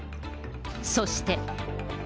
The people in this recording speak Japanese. そして。